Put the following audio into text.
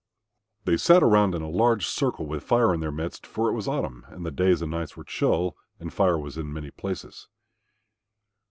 They sat around in a large circle with Fire in their midst, for it was autumn and the days and nights were chill. And Fire was in many places.